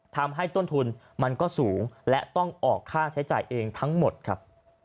ทำให้ต้นทุนมันก็สูงและต้องออกค่าใช้จ่ายเองทั้งหมดครับ